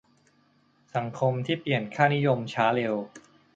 สังคมที่เปลี่ยนค่านิยมช้าเร็ว